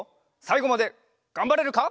さいごまでがんばれるか？